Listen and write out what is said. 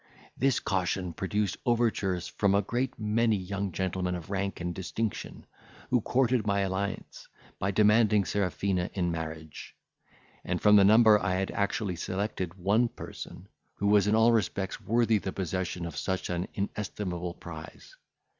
This caution produced overtures from a great many young gentlemen of rank and distinction, who courted my alliance, by demanding Serafina in marriage; and from the number I had actually selected one person, who was in all respects worthy the possession of such an inestimable prize.